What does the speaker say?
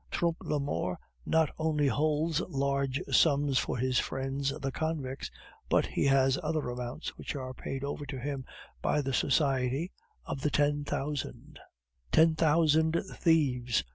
Trompe la Mort not only holds large sums for his friends the convicts, but he has other amounts which are paid over to him by the Society of the Ten Thousand " "Ten Thousand Thieves!"